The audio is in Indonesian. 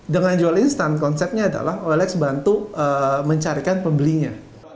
dengan jual instan konsepnya adalah olex bantu mencarikan pembelinya